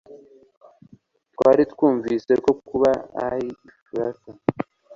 Twari twumvise ko buba i Efurata